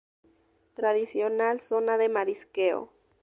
Tradicional zona de marisqueo.